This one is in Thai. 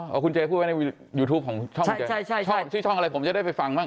เอาคุณเจพูดไว้ในยูทูปของช่องคุณเจช่องชื่อช่องอะไรผมจะได้ไปฟังบ้าง